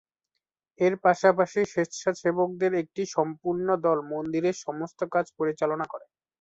এর পাশাপাশি স্বেচ্ছাসেবকদের একটি সম্পূর্ণ দল মন্দিরের সমস্ত কাজ পরিচালনা করে।